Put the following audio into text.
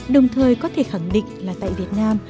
đồng thời có thể khẳng định là tại việt nam